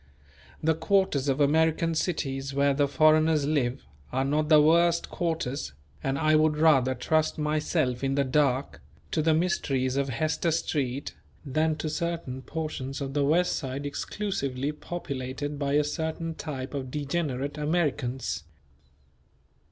The quarters of American cities where the foreigners live are not the worst quarters; and I would rather trust myself in the dark, to the mysteries of Hester Street than to certain portions of the West side exclusively populated by a certain type of degenerate Americans.